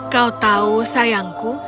kau tahu sayangku